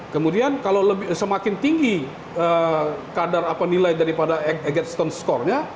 kemudian kalau semakin tinggi kadar nilai daripada eggstone skor nya